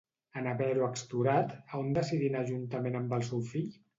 En haver-ho explorat, a on decidí anar juntament amb el seu fill?